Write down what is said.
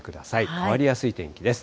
変わりやすい天気です。